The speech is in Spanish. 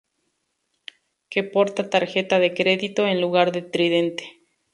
que porta tarjeta de crédito en lugar de tridente.